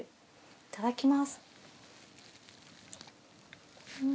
いただきます。